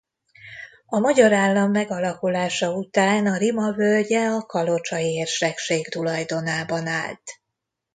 A magyar állam megalakulása után a Rima völgye a kalocsai érsekség tulajdonában állt.